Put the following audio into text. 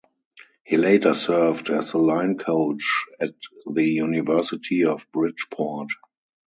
He later served as the line coach at the University of Bridgeport.